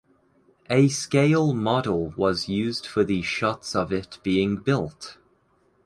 A scale model was used for the shots of it being built.